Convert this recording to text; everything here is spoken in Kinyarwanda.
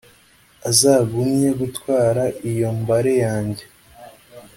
azagumye gutwara iyo mbare yanjye.